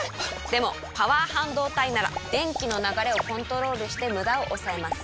でもパワー半導体なら電気の流れをコントロールしてムダを抑えます。